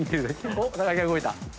おっ木が動いた。